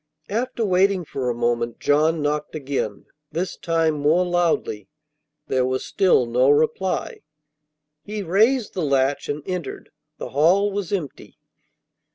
After waiting for a moment John knocked again, this time more loudly. There was still no reply. He raised the latch and entered; the hall was empty.